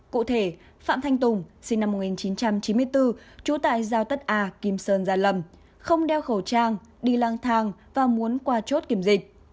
cụ thể phạm thanh tùng sinh năm một nghìn chín trăm chín mươi bốn trú tại giao đất a kim sơn gia lâm không đeo khẩu trang đi lang thang và muốn qua chốt kiểm dịch